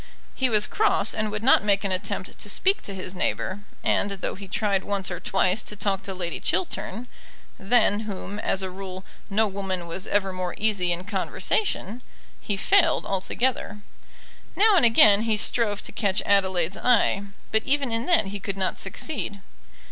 He was cross, and would not make an attempt to speak to his neighbour, and, though he tried once or twice to talk to Lady Chiltern than whom, as a rule, no woman was ever more easy in conversation he failed altogether. Now and again he strove to catch Adelaide's eye, but even in that he could not succeed.